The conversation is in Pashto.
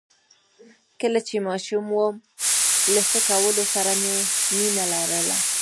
کله چې ماشوم وم له څه کولو سره مې مينه لرله؟